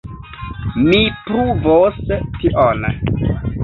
Mi pruvos tion.